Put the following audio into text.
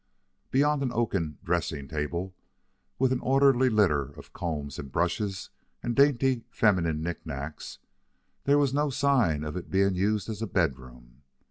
Beyond an oaken dressing table, with an orderly litter of combs and brushes and dainty feminine knickknacks, there was no sign of its being used as a bedroom.